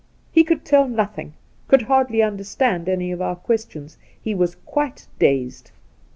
He could teU nothing, could hardly understand any of our questions. He was quite dazed.